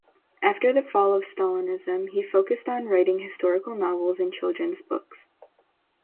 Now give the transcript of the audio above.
After the fall of Stalinism, he focused on writing historical novels and children's books.